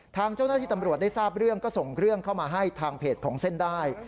ทางเจ้าหน้าที่ตำรวจได้ทราบเรื่องก็ส่งเรื่องเข้ามาให้ทางเพจของเส้นได้